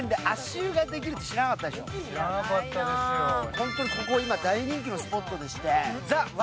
本当にここ今大人気のスポットです。